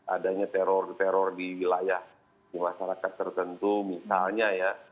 adanya teror teror di wilayah di masyarakat tertentu misalnya ya